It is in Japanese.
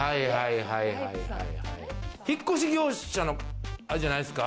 引っ越し業者の方じゃないですか？